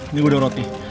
ini gue dapur roti